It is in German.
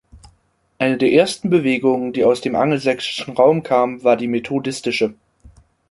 Eine der ersten Bewegungen, die aus dem angelsächsischen Raum kam, war die methodistische.